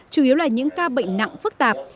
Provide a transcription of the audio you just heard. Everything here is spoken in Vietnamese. chủ yếu là những ca bệnh nặng phức tạp